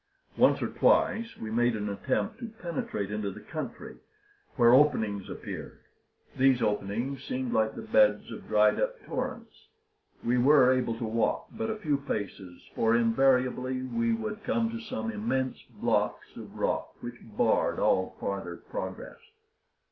Once or twice we made an attempt to penetrate into the country, where openings appeared. These openings seemed like the beds of dried up torrents. We were able to walk but a few paces for invariably we would come to some immense blocks of rock, which barred all farther progress.